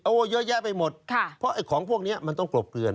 เยอะแยะไปหมดค่ะเพราะไอ้ของพวกนี้มันต้องกลบเกลือน